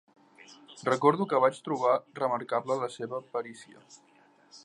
Recordo que vaig trobar remarcable la seva perícia.